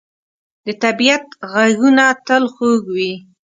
د طبیعت ږغونه تل خوږ وي.